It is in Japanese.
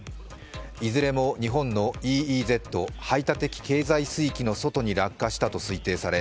いずれも日本のＥＥＺ＝排他的経済水域の外に落下したと推定され